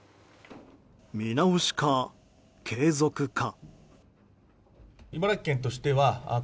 見直しか、継続か。